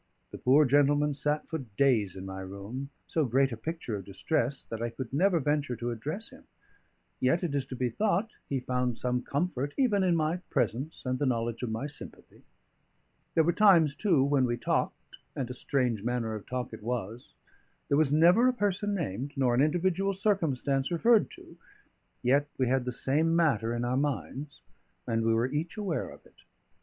The poor gentleman sat for days in my room, so great a picture of distress that I could never venture to address him; yet it is to be thought he found some comfort even in my presence and the knowledge of my sympathy. There were times, too, when we talked, and a strange manner of talk it was; there was never a person named, nor an individual circumstance referred to; yet we had the same matter in our minds, and we were each aware of it.